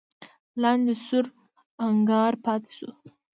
لاندې سور انګار پاتې شو.